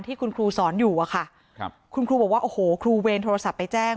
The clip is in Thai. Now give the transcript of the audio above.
ที่คุณครูสอนอยู่อะค่ะครับคุณครูบอกว่าโอ้โหครูเวรโทรศัพท์ไปแจ้ง